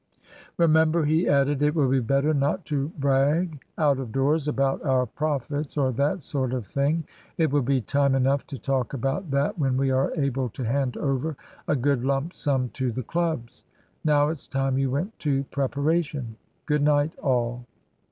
"Remember," he added, "it will be better not to brag out of doors about our profits or that sort of thing. It will be time enough to talk about that when we are able to hand over a good lump sum to the clubs. Now it's time you went to preparation. Good night all."